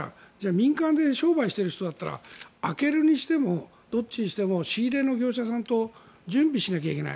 民間で商売している人だったら開けるにしてもどっちにしても仕入れの業者さんと準備しないといけない。